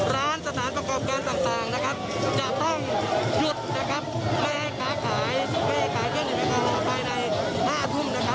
ร้านสถานประกอบการต่างนะครับจะต้องหยุดแมพค้าขายม่ายกลาการรอบภายในห้าทุ่มนะครับ